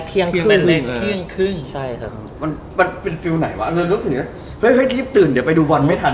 แรกเที่ยงครึ่งแรกเที่ยงครึ่งมันเป็นฟิวไหนวะเรารู้สึกว่าให้รีบตื่นเดี๋ยวไปดูวันไม่ทัน